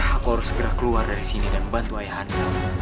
aku harus segera keluar dari sini dan membantu ayah anda